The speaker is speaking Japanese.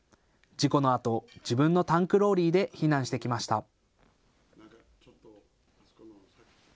事故のあと自分のタンクローリーで避難してきました。